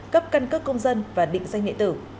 cấp căn cước công dân và định danh điện tử